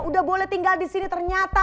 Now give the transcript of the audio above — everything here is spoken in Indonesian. udah boleh tinggal disini ternyata